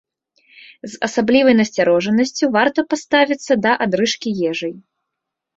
З асаблівай насцярожанасцю варта паставіцца да адрыжкі ежай.